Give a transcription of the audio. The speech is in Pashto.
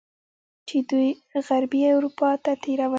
چې دوی غربي اروپا ته تیرول.